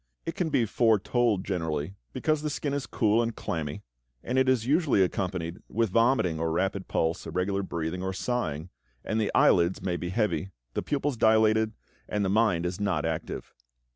It can be foretold generally, because the skin is cool and clammy, and it is usually accompanied with vomiting or rapid pulse, irregular breathing, or sighing, and the eyelids may be heavy, the pupils dilated, and the mind is not active.